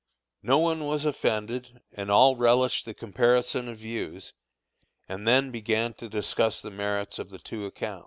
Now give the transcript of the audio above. No one was offended, and all relished the comparison of views, and then began to discuss the merits of the two accounts.